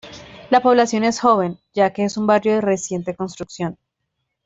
La población es joven, ya que es un barrio de reciente construcción.